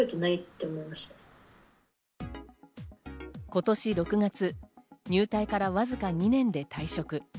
今年６月、入隊からわずか２年で退職。